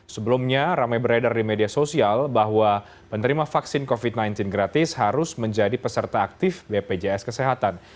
sebelumnya ramai beredar di media sosial bahwa penerima vaksin covid sembilan belas gratis harus menjadi peserta aktif bpjs kesehatan